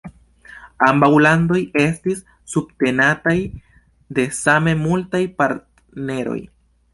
Ambaŭ landoj estis subtenataj de same multaj partneroj.